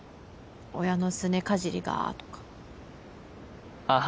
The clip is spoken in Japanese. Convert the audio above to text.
親のすねかじりがとかああ